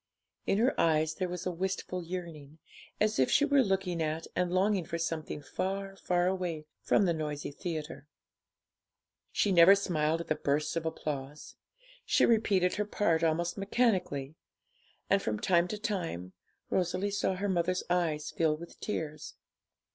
In her eyes there was a wistful yearning, as if she were looking at and longing for something far, far away from the noisy theatre. She never smiled at the bursts of applause; she repeated her part almost mechanically, and, from time to time, Rosalie saw her mother's eyes fill with tears.